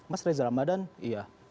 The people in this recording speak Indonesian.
mas reza ramadan iya